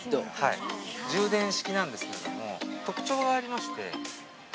充電式なんですけれども、特徴がありまして。